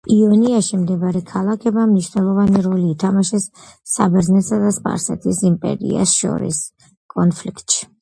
იონიაში მდებარე ქალაქებმა მნიშვნელოვანი როლი ითამაშეს საბერძნეთსა და სპარსეთის იმპერიას შორის კონფლიქტში.